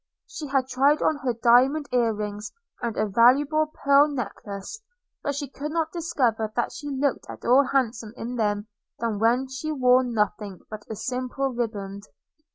She had tried on her diamond ear rings, and a valuable pearl neck lace; but she could not discover that she looked at all handsomer in them than when she wore nothing but a simple ribband.